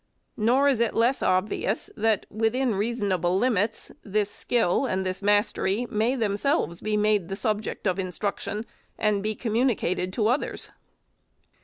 Nor is it less obvious that, within reason able limits, this skill and this mastery may themselves be made the subjects of instruction, and be communicated to others.